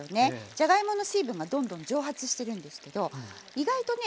じゃがいもの水分がどんどん蒸発してるんですけど意外とね